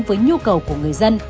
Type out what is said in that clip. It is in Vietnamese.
với nhu cầu của người dân